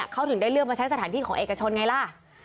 เขาถึงได้เลือกมาใช้สถานที่ของเอกชนไงล่ะ